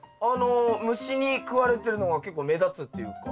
虫に食われてるのが結構目立つっていうか。